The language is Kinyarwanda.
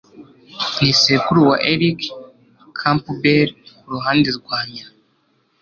Ni sekuru wa Eric Campbell kuruhande rwa nyina.